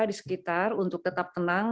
di sekitar untuk tetap tenang